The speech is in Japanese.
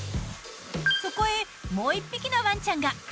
そこへもう１匹のワンちゃんが。